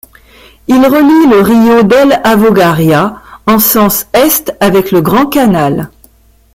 Il relie le rio dell'Avogaria en sens est avec le Grand Canal.